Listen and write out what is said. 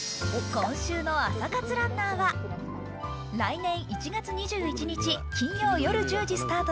今週の朝活ランナーは来年１月２１日、金曜夜１０時スタート